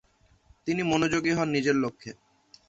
তিনি মনোযোগী হন নিজের লক্ষ্যে।